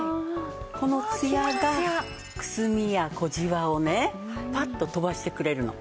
このツヤがくすみや小じわをねパッと飛ばしてくれるの。